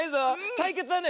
たいけつはね